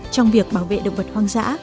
trong việc bảo vệ động vật hoang dã